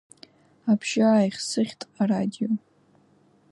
Абжьы ааихсыӷьт арадио.